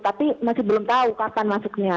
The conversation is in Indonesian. tapi masih belum tahu kapan masuknya